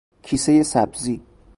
کیسه سبزی